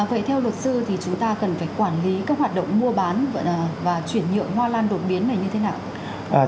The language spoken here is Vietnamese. vậy theo luật sư thì chúng ta cần phải quản lý các hoạt động mua bán và chuyển nhượng hoa lan đột biến này như thế nào